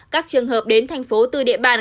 các trường hợp đến thành phố từ địa bàn